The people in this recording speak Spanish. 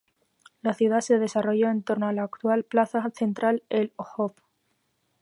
La ciudad se desarrolló en torno a la actual plaza central, el "Hof".